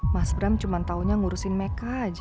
mas bram cuma taunya ngurusin make aja